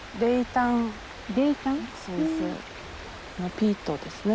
ピートですね。